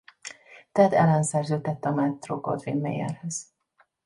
Ted Allan szerződtette az Metro-Goldwyn-Mayerhez.